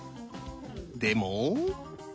でも。